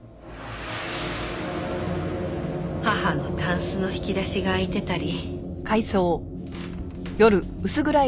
義母のたんすの引き出しが開いてたり。